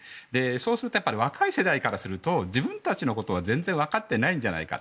そうすると若い世代からすると自分たちのことは全然分かってないんじゃないか。